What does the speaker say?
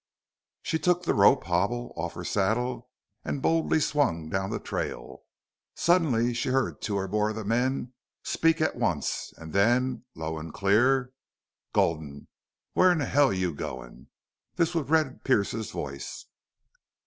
She took the rope hobble off her saddle and boldly swung down the trail. Suddenly she heard two or more of the men speak at once, and then, low and clear: "Gulden, where'n hell are you goin'?" This was Red Pearce's voice.